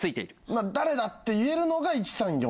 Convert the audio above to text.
まあ誰だって言えるのが１３４。